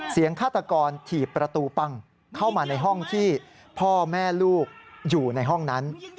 ฆาตกรถีบประตูปั้งเข้ามาในห้องที่พ่อแม่ลูกอยู่ในห้องนั้น